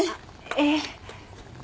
ええ。